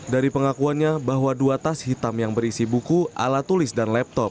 dari pengakuannya bahwa dua tas hitam yang berisi buku ala tulis dan laptop